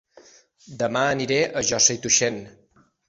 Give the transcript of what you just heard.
Dema aniré a Josa i Tuixén